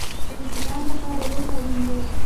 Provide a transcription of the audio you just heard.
د وجدان لپاره روح اړین دی